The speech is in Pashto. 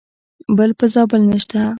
بل په زابل نشته .